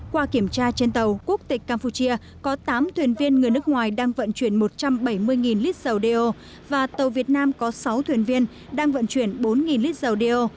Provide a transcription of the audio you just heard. qua kiểm tra trên tàu quốc tịch campuchia có tám thuyền viên người nước ngoài đang vận chuyển một trăm bảy mươi lít dầu đeo và tàu việt nam có sáu thuyền viên đang vận chuyển bốn lít dầu đeo